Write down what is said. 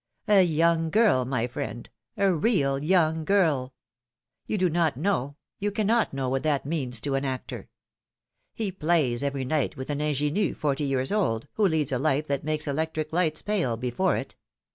A young girl, my friend, a real young girl ! You do not know, you cannot know what that means to an actor! He plays every night with an ingenue forty years old, who leads a life that makes electric lights pale before it